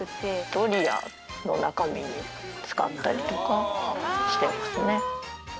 ドリアの中身に使ったりとかしてますね。